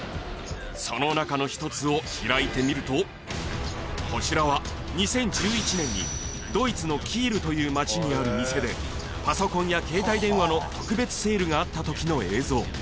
その中の１つを開いてみるとこちらは２０１１年にドイツのキールという町にある店でパソコンや携帯電話の特別セールがあった時の映像。